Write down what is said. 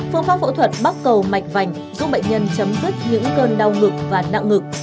phương pháp phẫu thuật bắt cầu mạch vành giúp bệnh nhân chấm dứt những cơn đau ngực và nặng ngực